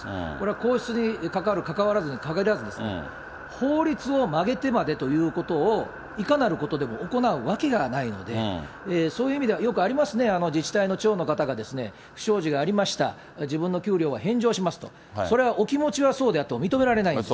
皇室に関わる、関わらずにかぎらずですね、法律を曲げてまでということをいかなることでも行うわけがないので、そういう意味ではよくありますね、自治体の長の方が不祥事がありました、自分の給料は返上しますと、それはお気持ちはそうであっても認められないんです。